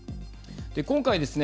今回ですね